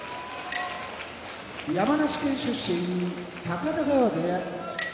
山梨県出身高田川部屋